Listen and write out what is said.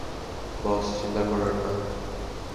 বস, চিন্তা করবেন না।